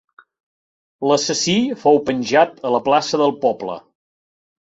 L'assassí fou penjat a la plaça del poble.